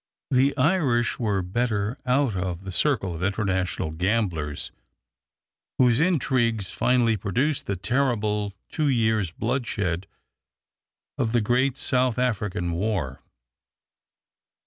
The Irish were better out of this circle of international gamblers, whose intrigues finally produced the terrible two years' bloodshed of the great South African war.